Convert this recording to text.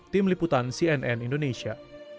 tim liputan cnn indonesia